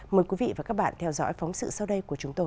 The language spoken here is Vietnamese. mời quý vị và các bạn theo dõi phóng sự sau đây của chúng tôi